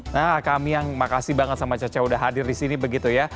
nah kami yang makasih banget sama caca udah hadir di sini begitu ya